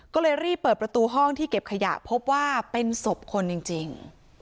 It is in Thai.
ก็เลยรีบเปิดประตูห้องที่เก็บขยะพบว่าเป็นศพคนจริง